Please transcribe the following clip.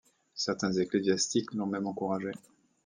Certains ecclésiastiques l'ont même encouragé.